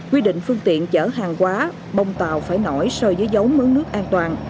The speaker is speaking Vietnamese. quy định phương tiện chở hàng quá bông tàu phải nổi so với dấu mướng nước an toàn